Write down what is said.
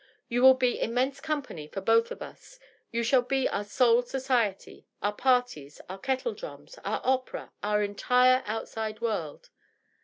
You will be immense company for both of us — ^you shall be our sole society, our parties, our kettledrums, our opera, our entire outside world.